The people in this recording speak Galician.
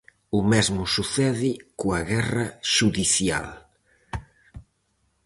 O mesmo sucede coa guerra xudicial.